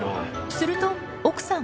すると奥さん